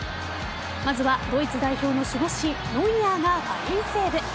まずはドイツ代表の守護神ノイアーがファインセーブ。